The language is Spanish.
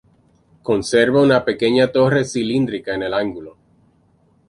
Conserva una pequeña torre cilíndrica en el ángulo.